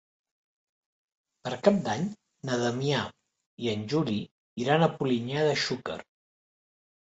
Per Cap d'Any na Damià i en Juli iran a Polinyà de Xúquer.